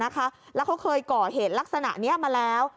แล้วเขาเคยก่อเหตุลักษณะนี้มาแล้ว